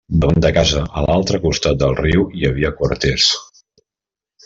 Davant de casa, a l'altre costat de riu, hi havia quarters.